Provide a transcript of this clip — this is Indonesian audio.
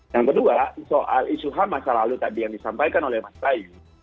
yang kedua soal isu ham masa lalu tadi yang disampaikan oleh mas bayu